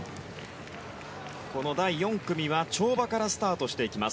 この第４組は跳馬からスタートしてきます。